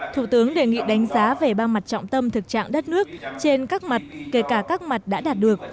thủ tướng đề nghị đánh giá về ba mặt trọng tâm thực trạng đất nước trên các mặt kể cả các mặt đã đạt được